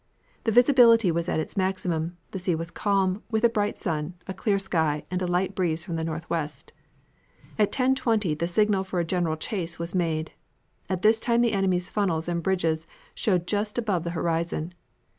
The visibility was at its maximum, the sea was calm, with a bright sun, a clear sky, and a light breeze from the northwest. At 10.20 the signal for a general chase was made. At this time the enemy's funnels and bridges showed just above the horizon.